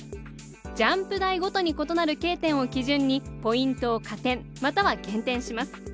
ジャンプ台ごとに異なるＫ点を基準にポイントを加点、または減点します。